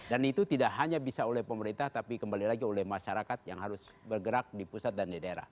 dan itu tidak hanya bisa oleh pemerintah tapi kembali lagi oleh masyarakat yang harus bergerak di pusat dan di daerah